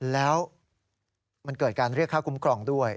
แล้วมันเกิดการเรียกค่าคุ้มครองด้วย